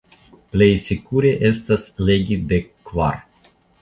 Plej sekure estas legi dek kvar.